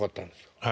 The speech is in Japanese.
はい。